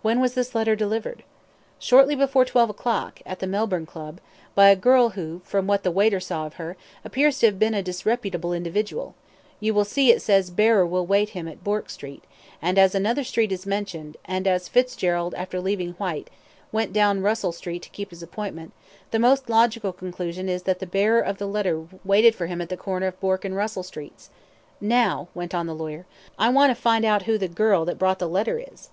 "When was this letter delivered?" "Shortly before twelve o'clock, at the Melbourne Club, by a girl, who, from what the waiter saw of her, appears to be a disreputable individual you will see it says bearer will wait him at Bourke Street, and as another street is mentioned, and as Fitzgerald, after leaving Whyte, went down Russell Street to keep his appointment, the most logical conclusion is that the bearer of the letter waited for him at the corner of Bourke and Russell Streets. Now," went on the lawyer, "I want to find out who the girl that brought the letter is!"